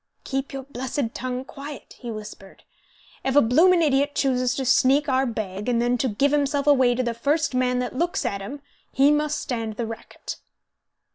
"Keep your blessed tongue quiet," he whispered, "If a bloomin' idiot chooses to sneak our bag, and then to give himself away to the first man that looks at him, he must stand the racket."